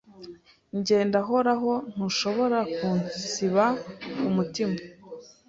Njye ndahoraho ntushobora kunsiba kumutima